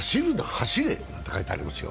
走れ！って書いてありますよ。